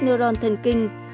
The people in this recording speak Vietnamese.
neuron thần kinh